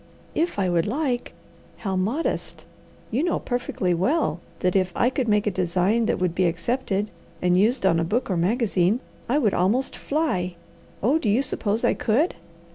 "'If I would like!' How modest! You know perfectly well that if I could make a design that would be accepted, and used on a book or magazine, I would almost fly. Oh do you suppose I could?"